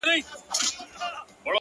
کله شات کله شکري پيدا کيږي-